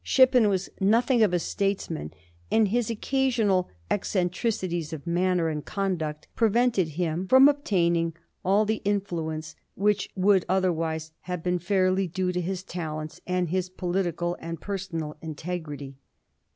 Shippen was nothing of a statesman, and his occasional eccentricities of manner and conduct prevented him from obtainiiig all the influence which would otherwise have been fairly due to his talents and his political and personal integrity.